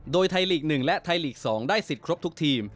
โดยไทยลีก๑และไทยลีก๒ได้สิทธิ์ครบทุกทีม